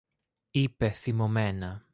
είπε θυμωμένα.